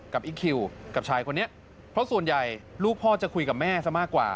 อีคคิวกับชายคนนี้เพราะส่วนใหญ่ลูกพ่อจะคุยกับแม่ซะมากกว่า